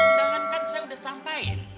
undangan kan saya udah sampaikan